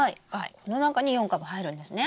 この中に４株入るんですね。